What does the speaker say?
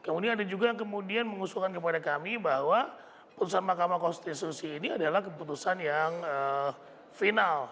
kemudian ada juga yang kemudian mengusulkan kepada kami bahwa putusan mahkamah konstitusi ini adalah keputusan yang final